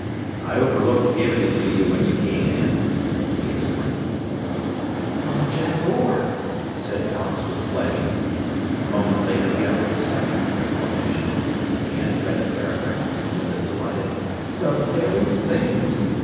"I overlooked giving it to you when you came in," he explained. "From Jack Orr!" said Alex with pleasure. A moment later he uttered a second exclamation, again read a paragraph, and with a delighted "The very thing!"